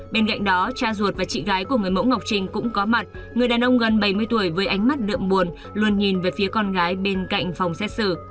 bên cạnh đó cha ruột và chị gái của người mẫu ngọc trinh cũng có mặt người đàn ông gần bảy mươi tuổi với ánh mắt đượm buồn luôn nhìn về phía con gái bên cạnh phòng xét xử